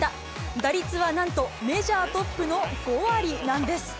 打率はなんとメジャートップの５割なんです。